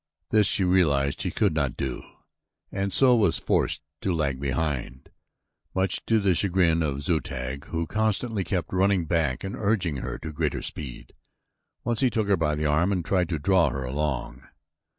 This she realized she could not do, and so she was forced to lag behind, much to the chagrin of Zu tag, who constantly kept running back and urging her to greater speed. Once he took her by the arm and tried to draw her along.